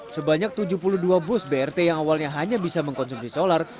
sebanyak tujuh puluh dua bus brt yang awalnya hanya bisa mengkonsumsi solar